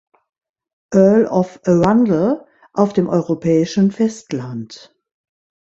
Earl of Arundel auf dem europäischen Festland.